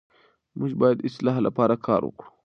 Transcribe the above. موږ باید د اصلاح لپاره کار وکړو.